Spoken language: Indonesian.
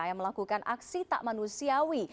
yang melakukan aksi tak manusiawi